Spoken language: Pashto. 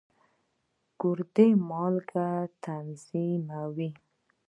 ګردې مالګې تنظیموي.